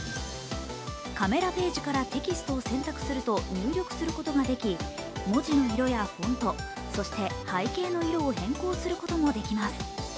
カメラページからテキストを選択すると入力することができ文字の色やフォント、そして背景の色を変更することができます。